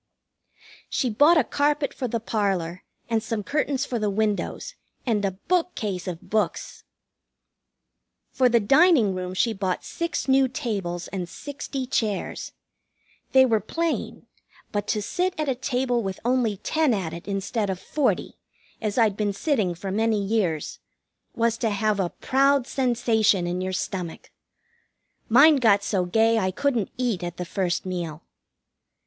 She bought a carpet for the parlor, and some curtains for the windows, and a bookcase of books. For the dining room she bought six new tables and sixty chairs. They were plain, but to sit at a table with only ten at it instead of forty, as I'd been sitting for many years, was to have a proud sensation in your stomach. Mine got so gay I couldn't eat at the first meal.